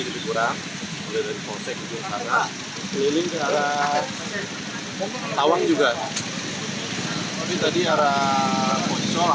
dan yang mau berangkat lewat kondisi berhitungkan waktunya